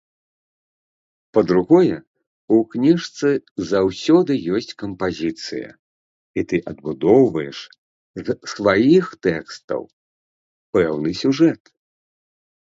Па-другое, у кніжцы заўсёды ёсць кампазіцыя, і ты адбудоўваеш з сваіх тэкстаў пэўны сюжэт.